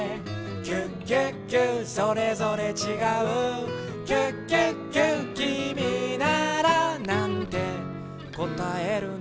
キュッキュッキュそれぞれちがう」「キュッキュッキュきみならなんてこたえるの？」